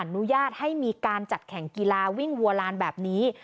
อนุญาตให้มีการจัดแข่งกีฬาวิ่งวัวลานแบบนี้